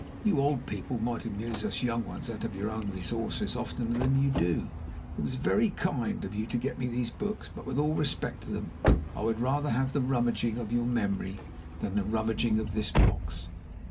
You old people might amuse us young ones out of your own resources oftener than you do. It was very kind of you to get me these books; but, with all respect to them, I would rather have the rummaging of your memory than the rummaging of this box.